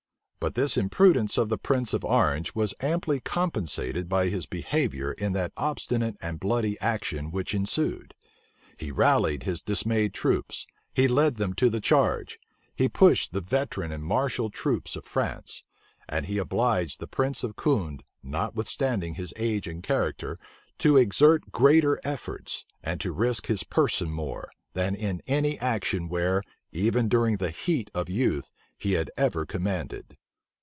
But this imprudence of the prince of Orange was amply compensated by his behavior in that obstinate and bloody action which ensued. He rallied his dismayed troops; he led them to the charge; he pushed the veteran and martial troops of France; and he obliged the prince of Condé, notwithstanding his age and character, to exert greater efforts, and to risk his person more, than in any action where, even during the heat of youth, he had ever commanded.